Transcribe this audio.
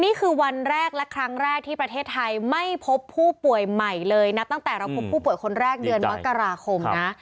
นี่คือวันแรกและครั้งแรกที่ประเทศไทยไม่พบผู้ป่วยใหม่เลยนะตั้งแต่เราพบผู้ป่วยคนแรกเดือนมกราคมนะ